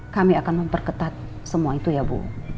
kami akan memperketat semua itu ya bu